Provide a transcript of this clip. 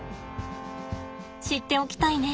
知っておきたいね。